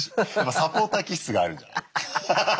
サポーター気質があるんじゃない？